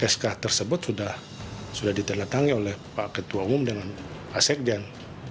sk tersebut sudah ditandatanggi oleh pak ketua umum dengan pak sekjen